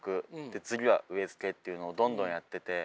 で次は植え付けっていうのをどんどんやってて。